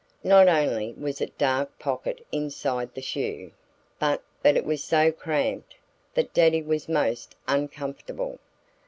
Not only was it dark pocket inside the shoe, but it was so cramped that Daddy was most uncomfortable.